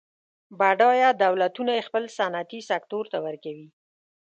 بډایه دولتونه یې خپل صنعتي سکتور ته ورکوي.